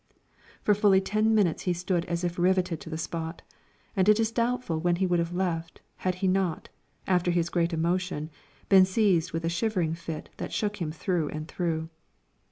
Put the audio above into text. For fully ten minutes he stood as if riveted to the spot, and it is doubtful when he would have left, had he not, after his great emotion, been seized with a shivering fit that shook him through and through.